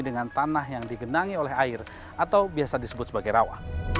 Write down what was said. dengan tanah yang digenangi oleh air atau biasa disebut sebagai rawa